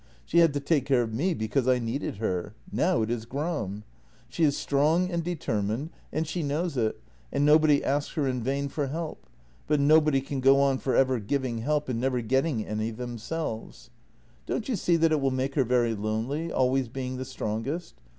She had to take care of me, because I needed her — now it is Gram. She is strong and determined, and she knows it, and nobody asks her in vain for help, but nobody can go on for ever giving help and never getting any them JENNY 114 selves. Don't you see that it will make her very lonely, always being the strongest?